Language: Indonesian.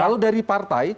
kalau dari partai